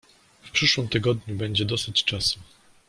"W przyszłym tygodniu, będzie dosyć czasu."